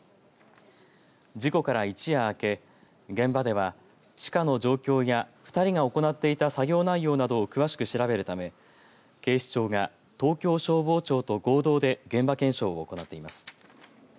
事故から一夜明け現場では、地下の状況や２人が行っていた作業内容などを詳しく調べるため警視庁が東京消防庁と合同で現場検証を行っています。